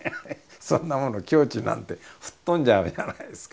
そんなもの境地なんて吹っ飛んじゃうじゃないですか。